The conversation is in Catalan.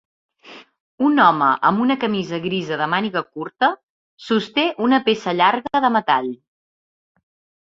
Un home amb una camisa grisa de màniga curta sosté una peça llarga de metall.